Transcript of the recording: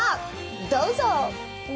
どうぞ！